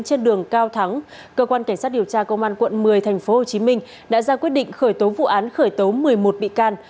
trên đường cao thắng cơ quan cảnh sát điều tra công an quận một mươi tp hcm đã ra quyết định khởi tố vụ án khởi tố một mươi một bị can